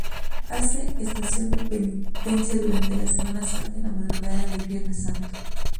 Hace estación de penitencia durante la Semana Santa en la madrugada del Viernes Santo.